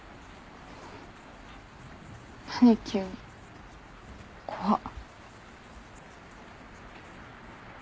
何急に怖っ。